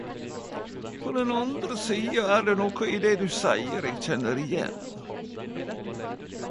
På den andre sida er det noko i det du seier eg kjenner igjen.